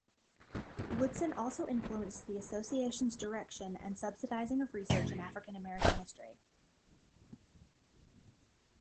Woodson also influenced the Association's direction and subsidizing of research in African-American history.